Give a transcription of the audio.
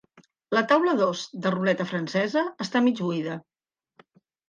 La taula dos de ruleta francesa està mig buida.